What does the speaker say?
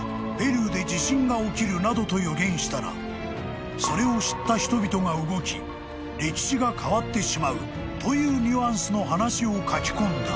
［などと予言したらそれを知った人々が動き歴史が変わってしまうというニュアンスの話を書き込んだ］